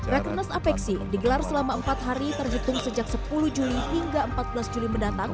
rakernas apexi digelar selama empat hari terhitung sejak sepuluh juli hingga empat belas juli mendatang